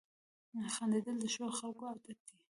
• خندېدل د ښو خلکو عادت دی.